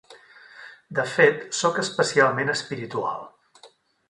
De fet, soc especialment espiritual.